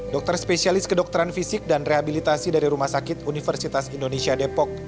dokter spesialis kedokteran fisik dan rehabilitasi dari rumah sakit universitas indonesia depok